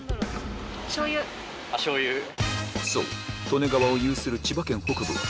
利根川を有する千葉県北部は